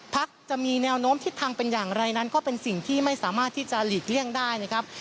พักจะมีแนวโน้มทิศทางเป็นอย่างไรนั้นก็เป็นสิ่งที่ไม่สามารถที่จะหลีกเลี่ยงได้นะครับ